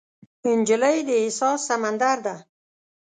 نجلۍ د احساس سمندر ده.